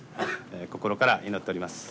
心から祈っております